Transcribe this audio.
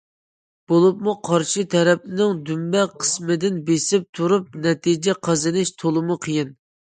بولۇپمۇ قارشى تەرەپنىڭ دۈمبە قىسمىدىن بېسىپ تۇرۇپ نەتىجە قازىنىش تولىمۇ قىيىن.